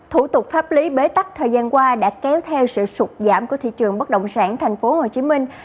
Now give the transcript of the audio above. thủ tục pháp lý bế tắc thời gian qua đã kéo theo sự sụp giảm của thị trường bất động sản thành phố hồ chí minh